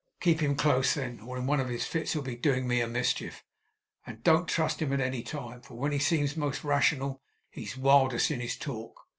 'Keep him close, then, or in one of his fits he'll be doing me a mischief. And don't trust him at any time; for when he seems most rational, he's wildest in his talk.